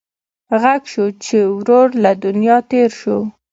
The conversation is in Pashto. غږ شو چې ورور له دنیا تېر شو.